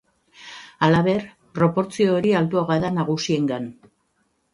Halaber, proportzio hori altuagoa da nagusiengan.